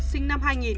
sinh năm hai nghìn